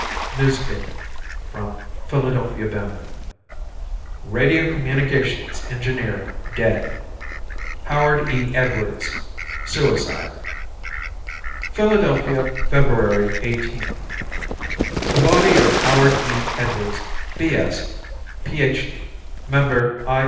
(News Clipping: From Philadelphia Banner) RADIO COMMUNICATIONS ENGINEER DEAD Howard E. Edwards, Suicide Philadelphia, Feb. 18. The body of Howard E. Edwards, B.S., PhD., Member I.